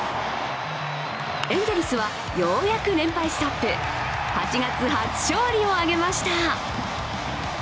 エンゼルスはようやく連敗ストップ、８月初勝利をあげました。